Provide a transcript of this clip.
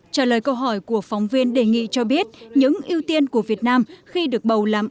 trả lời câu hỏi của phóng viên đề nghị cho biết những ưu tiên của việt nam khi được bầu làm